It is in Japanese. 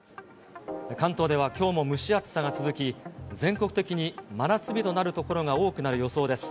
関東では、きょうも蒸し暑さが続き、全国的に真夏日となる所が多くなる予想です。